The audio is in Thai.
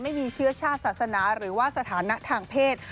ไม่มีเชื้อชาติศาสนาหรือว่าสถานะทางเพศ